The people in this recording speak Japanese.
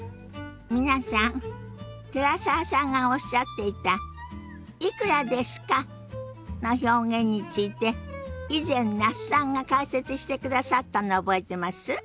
皆さん寺澤さんがおっしゃっていた「いくらですか？」の表現について以前那須さんが解説してくださったの覚えてます？